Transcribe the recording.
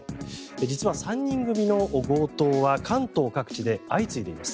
実は３人組の強盗は関東各地で相次いでいます。